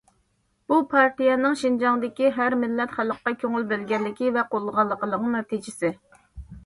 بۇ پارتىيەنىڭ شىنجاڭدىكى ھەر مىللەت خەلققە كۆڭۈل بۆلگەنلىكى ۋە قوللىغانلىقىنىڭ نەتىجىسى.